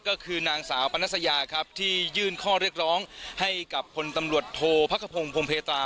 ก็คือนางสาวปนัสยาครับที่ยื่นข้อเรียกร้องให้กับคนตำรวจโทษพักขพงศ์พงเพตรา